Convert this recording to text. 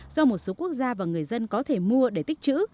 do một số quốc gia và người dân có thể mua để tích trữ